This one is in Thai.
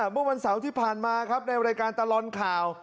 เมื่อวันเสาร์ที่ผ่านมาครับในรายการตลอดข่าว